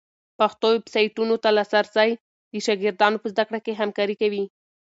پښتو ویبسایټونو ته لاسرسی د شاګردانو په زده کړه کي همکاری کوي.